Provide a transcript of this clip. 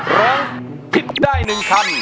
แล้วคิดได้๑คำ